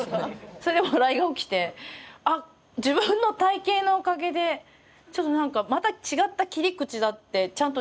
それで笑いが起きてあっ自分の体形のおかげでちょっと何かまた違った切り口だってちゃんと認識してもらえたって。